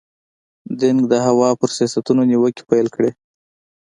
دینګ د هوا پر سیاستونو نیوکې پیل کړې.